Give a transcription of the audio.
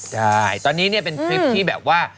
ใช่ตอนนี้เนี่ยเป็นคลิปที่แบบว่า